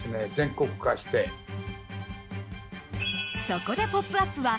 そこで「ポップＵＰ！」は